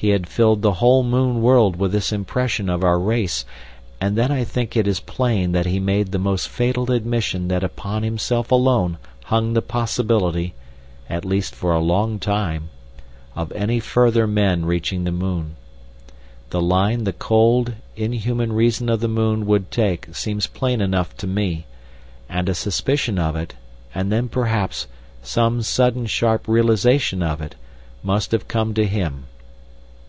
He had filled the whole moon world with this impression of our race, and then I think it is plain that he made the most fatal admission that upon himself alone hung the possibility—at least for a long time—of any further men reaching the moon. The line the cold, inhuman reason of the moon would take seems plain enough to me, and a suspicion of it, and then perhaps some sudden sharp realisation of it, must have come to him.